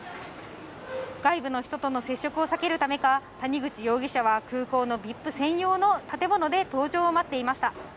外部の人との接触を避けるためか、谷口容疑者は空港のＶＩＰ専用の建物で搭乗を待っていました。